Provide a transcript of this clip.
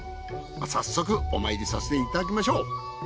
早速お参りさせていただきましょう。